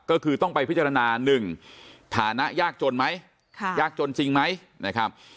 ก็คือต้องไปพิจารณา๑ฐานะยากจนไหมยากจนจริงไหมนะครับ